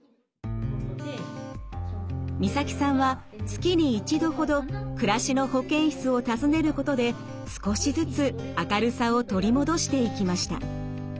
ミサキさんは月に１度ほど「暮らしの保健室」を訪ねることで少しずつ明るさを取り戻していきました。